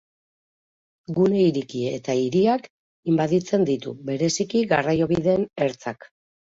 Gune ireki eta hiriak inbaditzen ditu, bereziki garraiobideen ertzak.